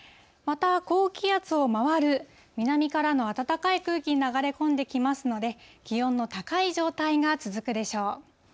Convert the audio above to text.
また高気圧を回る南からの暖かい空気が流れ込んできますので、気温の高い状態が続くでしょう。